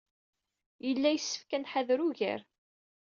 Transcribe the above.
Yella yessefk ad nḥader ugar.